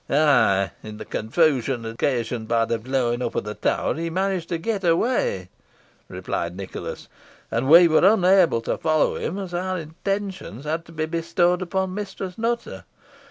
"Ay, in the confusion occasioned by the blowing up of the Tower he managed to get away," replied Nicholas, "and we were unable to follow him, as our attentions had to be bestowed upon Mistress Nutter.